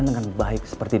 ke pacar kita